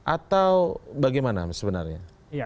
atau bagaimana sebenarnya